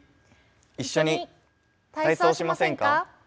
一緒に体操しませんか？